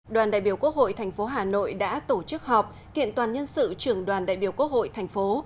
đoàn đại biểu quốc hội thành phố hà nội đã tổ chức họp kiện toàn nhân sự trưởng đoàn đại biểu quốc hội thành phố